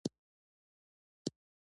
د څه په باره کې پوښتنه کوي.